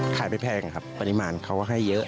ไม่แพงครับปริมาณเขาให้เยอะ